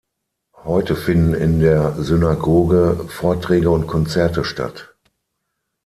Heute finden in der Synagoge Vorträge und Konzerte statt.